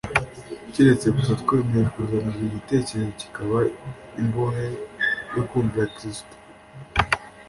keretse gusa twemeye kuzana buri gitekerezo kikaba imbohe yo kumvira Kristo.